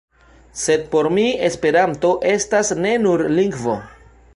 Sed por mi "Esperanto" estas ne nur lingvo.